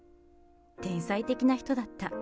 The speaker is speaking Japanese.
天才的な人だった。